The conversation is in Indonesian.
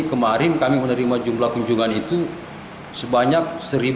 kemarin kami menerima jumlah kunjungan itu sebanyak satu ratus